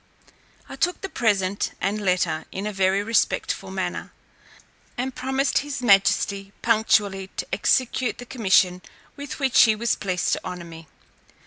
I took the present and letter in a very respectful manner, and promised his majesty punctually to execute the commission with which he was pleased to honour me.